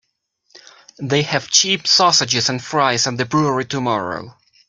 They have cheap sausages and fries at the brewery tomorrow.